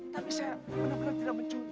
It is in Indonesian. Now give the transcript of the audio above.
tapi saya benar benar tidak mencuri